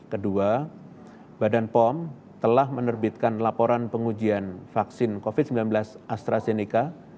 kedua badan pom telah menerbitkan laporan pengujian vaksin covid sembilan belas astrazeneca